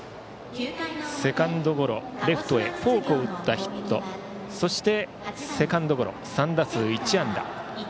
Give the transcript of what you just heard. セカンドゴロレフトへフォークを打ったヒットそしてセカンドゴロ３打数１安打。